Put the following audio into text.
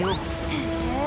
へえ。